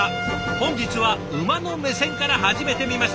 本日は馬の目線から始めてみました。